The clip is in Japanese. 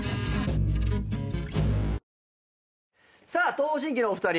東方神起のお二人